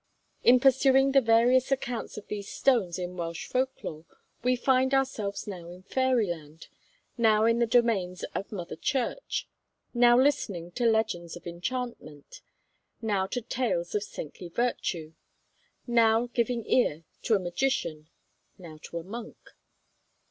In pursuing the various accounts of these stones in Welsh folk lore we find ourselves now in fairyland, now in the domains of mother church, now listening to legends of enchantment, now to tales of saintly virtue, now giving ear to a magician, now to a monk.